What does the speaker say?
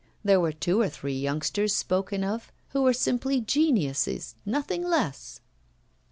There were two or three youngsters spoken of who were simply geniuses, nothing less.